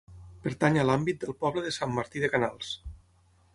Pertany a l'àmbit del poble de Sant Martí de Canals.